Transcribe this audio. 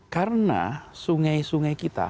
karena sungai sungai kita